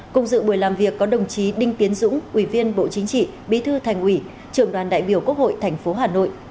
cùng dự buổi làm việc có đồng chí đinh tiến dũng ủy viên bộ chính trị bí thư thành ủy trưởng đoàn đại biểu quốc hội tp hà nội